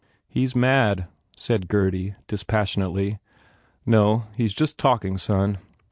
"He s mad," said Gurdy, dispassionately. "No. He s just talking, son."